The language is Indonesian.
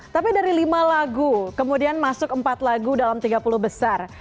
tapi dari lima lagu kemudian masuk empat lagu dalam tiga puluh besar